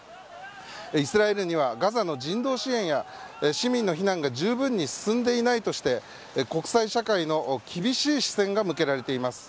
イスラエルにはガザの人道支援や市民の避難が十分に進んでいないとして国際社会の厳しい視線が向けられています。